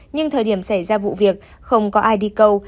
nhưng thời điểm xảy ra vụ việc không có ai đi câu